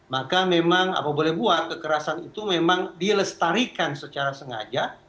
maka memang apa boleh buat kekerasan itu memang dilestarikan secara sengaja